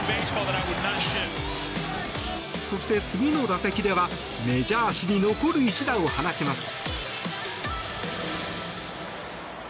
そして、次の打席ではメジャー史に残る一打を放ちます。